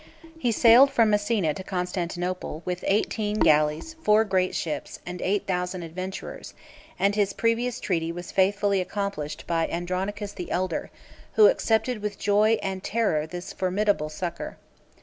He sailed from Messina to Constantinople, with eighteen galleys, four great ships, and eight thousand adventurers; 478 and his previous treaty was faithfully accomplished by Andronicus the elder, who accepted with joy and terror this formidable succor.